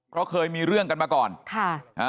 เพราะเคยมีเรื่องกันมาก่อนค่ะ